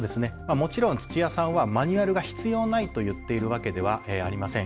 もちろん土屋さんはマニュアルが必要ないと言っているわけではありません。